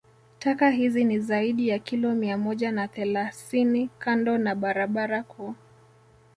Taka hizi ni zaidi ya kilo mia moja na thelasini kando ya barabara kuu